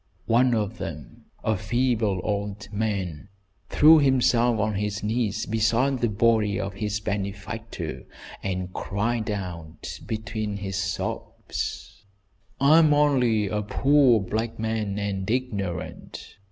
One of them, a feeble old man, threw himself on his knees beside the body of his benefactor, and cried out between his sobs: "I am only a poor black man, and ignorant.